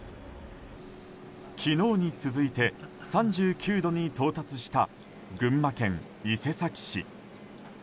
昨日に続いて３９度に到達した群馬県伊勢崎市。